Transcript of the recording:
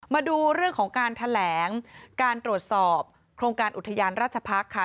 มาดูเรื่องของการแถลงการตรวจสอบโครงการอุทยานราชพักษ์ค่ะ